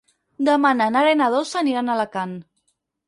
Demà na Nara i na Dolça aniran a Alacant.